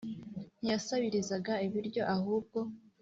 ntiyasabirizaga ibiryo, ahubwo